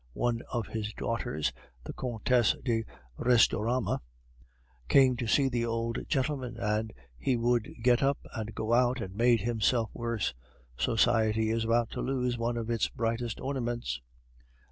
One of his daughters the Comtesse de Restaurama came to see the old gentleman, and he would get up and go out, and made himself worse. Society is about to lose one of its brightest ornaments."